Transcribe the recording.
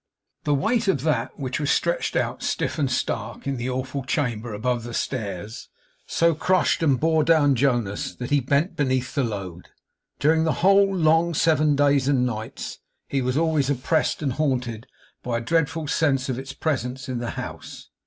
The weight of that which was stretched out, stiff and stark, in the awful chamber above stairs, so crushed and bore down Jonas, that he bent beneath the load. During the whole long seven days and nights, he was always oppressed and haunted by a dreadful sense of its presence in the house.